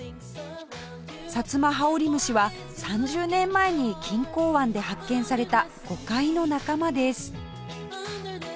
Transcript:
サツマハオリムシは３０年前に錦江湾で発見されたゴカイの仲間です